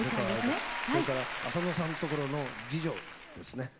それから浅野さんところの次女ですね。